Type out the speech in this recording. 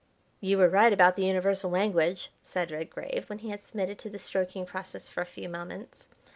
"You were right about the universal language," said Redgrave, when he had submitted to the stroking process for a few moments.